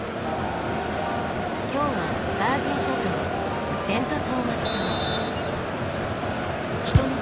今日はヴァージン諸島セント・トーマス島。